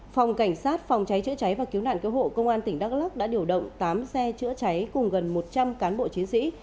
phòng cảnh sát phòng cháy chữa cháy và cứu nạn cứu hộ công an tỉnh đắk lắc đã điều động tám xe chữa cháy cùng gần một trăm linh cán bộ chiến sĩ